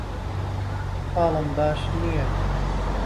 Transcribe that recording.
حاڵم باش نییە.